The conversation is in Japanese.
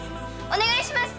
お願いします！